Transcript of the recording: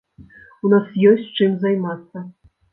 У нас ёсць, чым займацца.